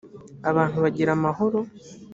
abantu bagira amahoro